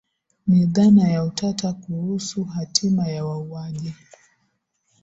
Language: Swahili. Ni dhana ya utata kuhusu hatima ya wauaji